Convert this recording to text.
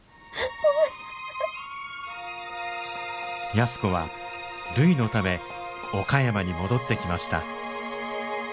安子はるいのため岡山に戻ってきました。